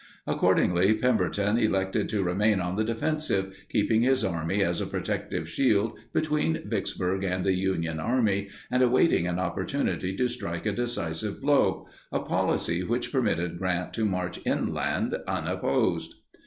Accordingly, Pemberton elected to remain on the defensive, keeping his army as a protective shield between Vicksburg and the Union Army and awaiting an opportunity to strike a decisive blow—a policy which permitted Grant to march inland unopposed.